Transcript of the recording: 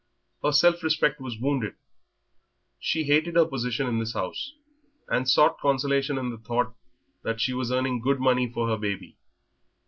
Her self respect was wounded; she hated her position in this house, and sought consolation in the thought that she was earning good money for her baby.